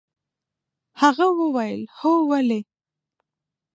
هغه وويل هو ولې.